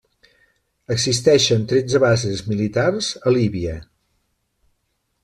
Existeixen tretze bases militars a Líbia.